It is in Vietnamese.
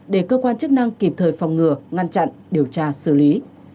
để cơ quan chức năng kịp thời phòng ngừa ngăn chặn điều tra xử lý